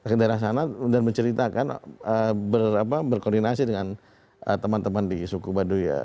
ke daerah sana dan menceritakan berkoordinasi dengan teman teman di suku baduy